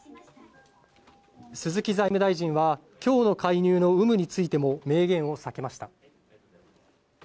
鈴木財務大臣は、きょうの介入の有無についても明言を避けました。